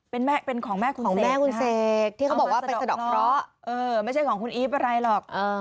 เป็นของแม่คุณเสกนะคะเอามาสะดอกเพราะเออไม่ใช่ของคุณอีฟอะไรหรอก